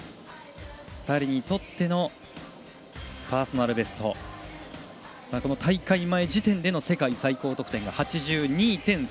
２人にとってのパーソナルベスト大会前時点での世界最高得点が８２．３６。